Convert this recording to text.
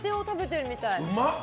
うまっ！